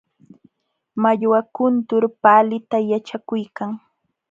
Mallwa kuntur paalita yaćhakuykan.